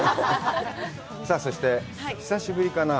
さあ、そして、久しぶりかな？